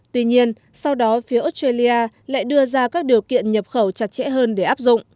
tuy nhiên sau đó phía australia lại đưa ra các điều kiện nhập khẩu chặt chẽ hơn để áp dụng